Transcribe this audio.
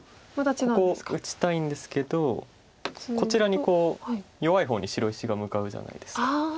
ここ打ちたいんですけどこちらにこう弱い方に白石が向かうじゃないですか。